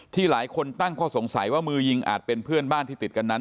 หลายคนตั้งข้อสงสัยว่ามือยิงอาจเป็นเพื่อนบ้านที่ติดกันนั้น